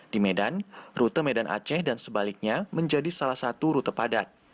di medan rute medan aceh dan sebaliknya menjadi salah satu rute padat